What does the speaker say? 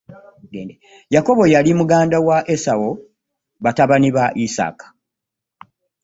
Yakobo yali muganda wa Esawo batabani ba Yisaaka.